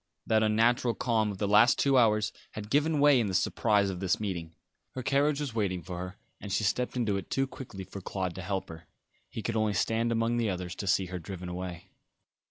That unnatural calm of the last two hours had given way in the surprise of this meeting. Her carriage was waiting for her, and she stepped into it too quickly for Claude to help her; he could only stand among the others to see her driven away.